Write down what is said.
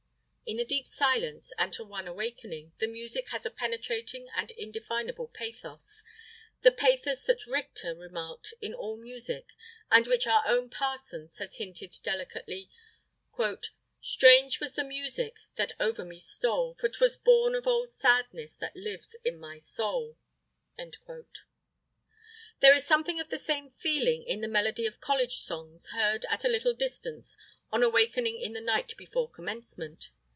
In the deep silence, and to one awakening, the music has a penetrating and indefinable pathos, the pathos that Richter remarked in all music, and which our own Parsons has hinted delicately "Strange was the music that over me stole, For 'twas born of old sadness that lives in my soul." There is something of the same feeling in the melody of college songs heard at a little distance on awakening in the night before Commencement.